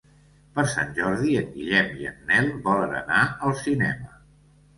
Per Sant Jordi en Guillem i en Nel volen anar al cinema.